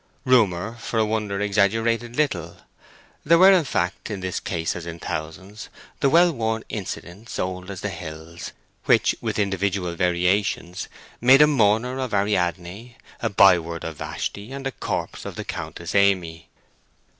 Rumor, for a wonder, exaggerated little. There were, in fact, in this case as in thousands, the well worn incidents, old as the hills, which, with individual variations, made a mourner of Ariadne, a by word of Vashti, and a corpse of the Countess Amy.